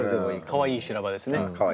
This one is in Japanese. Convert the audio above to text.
かわいい修羅場ですね。